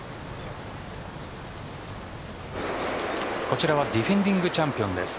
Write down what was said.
こちらはディフェンディングチャンピオンです。